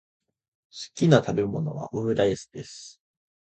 好きな食べ物はオムライスです。